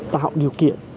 tạo điều kiện